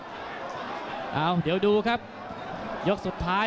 น้ำเงินรอโต